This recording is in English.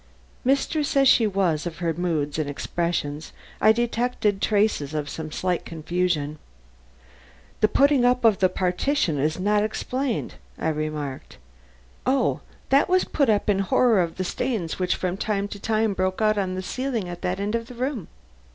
Mistress as she was of her moods and expression I detected traces of some slight confusion. "The putting up of the partition is not explained," I remarked. "Oh, that was put up in horror of the stains which from time to time broke out on the ceiling at that end of the room."